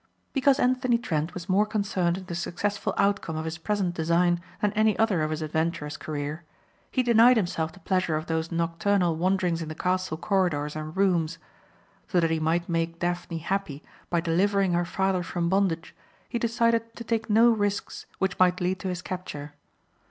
Because Anthony Trent was more concerned in the successful outcome of his present design than any other of his adventurous career he denied himself the pleasure of those nocturnal wanderings in the castle corridors and rooms. So that he might make Daphne happy by delivering her father from bondage he decided to take no risks which might lead to his capture.